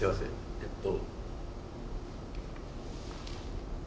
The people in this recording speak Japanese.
えっと。